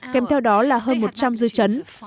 kèm theo đó là hơn một trăm linh dư chấn